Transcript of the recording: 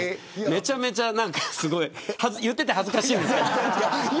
めちゃめちゃ言っていて恥ずかしいんですけど。